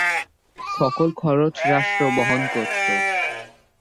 সকল খরচ রাষ্ট্র বহন করতো।